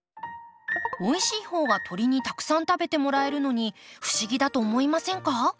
おいしい方が鳥にたくさん食べてもらえるのに不思議だと思いませんか？